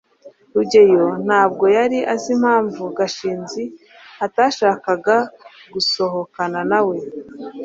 rugeyo ntabwo yari azi impamvu gashinzi atashakaga gusohokana nawe